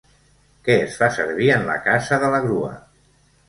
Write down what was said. Que es fa servir en la caça de la grua.